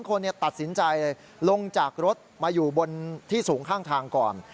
คนตัดสินใจเลยลงจากรถมาอยู่บนที่สูงข้างทางก่อน